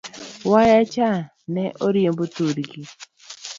Wayacha ne oriembe thurgi?